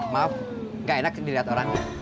maaf gak enak sih dilihat orang